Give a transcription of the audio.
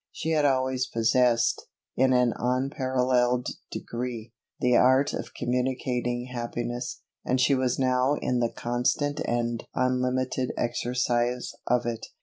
She had always possessed, in an unparalleled degree, the art of communicating happiness, and she was now in the constant and unlimited exercise of it.